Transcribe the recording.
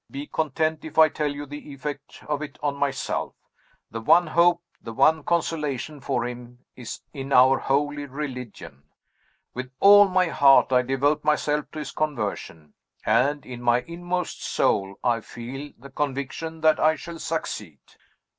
Be content if I tell you the effect of it on myself. The one hope, the one consolation for him, is in our holy religion. With all my heart I devote myself to his conversion and, in my inmost soul, I feel the conviction that I shall succeed!